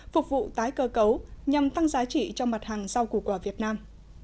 phục vụ tái cơ cấu nhằm tăng giá trị cho mặt hàng rau củ quả việt nam